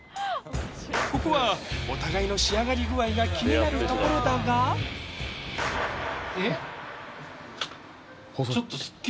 ここはお互いの仕上がり具合が気になるところだがえっ！